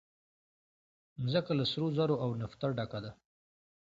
مځکه له سرو زرو او نفته ډکه ده.